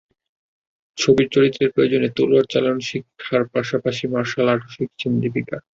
ছবির চরিত্রের প্রয়োজনে তলোয়ার চালানো শেখার পাশাপাশি মার্শাল আর্টও শিখছেন দীপিকা।